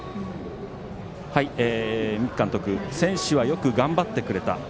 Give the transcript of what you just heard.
三木監督、選手はよく頑張ってくれた。